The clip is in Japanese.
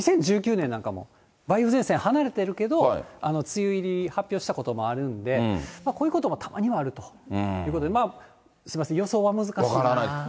２０１９年なんかも、梅雨前線は離れてるけど、梅雨入り発表したこともあるんで、こういうこともたまにはあるということで、すみません、分からない。